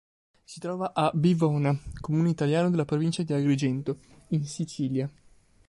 Si trova a Bivona, comune italiano della provincia di Agrigento in Sicilia.